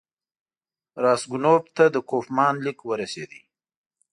راسګونوف ته د کوفمان لیک ورسېد.